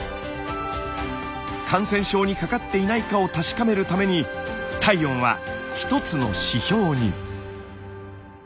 感染症にかかっていないかを確かめるために体温は一つの指標に。